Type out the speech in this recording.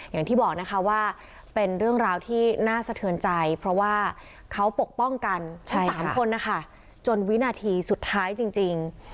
อย่างที่บอกนะคะว่าเป็นเรื่องราวที่น่าสะเทือนใจเพราะว่าเขาปกป้องกัน๓คนนะคะจนวินาทีสุดท้ายจริง